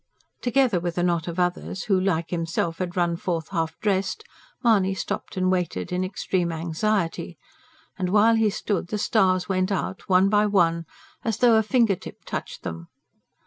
Together with a knot of others, who like himself had run forth half dressed, Mahony stopped and waited, in extreme anxiety; and, while he stood, the stars went out, one by one, as though a finger tip touched them.